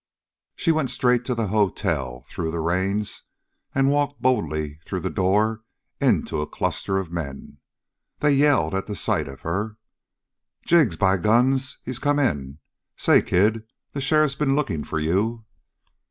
She went straight to the hotel, threw the reins, and walked boldly through the door into a cluster of men. They yelled at the sight of her. "Jig, by guns! He's come in! Say, kid, the sheriff's been looking for you."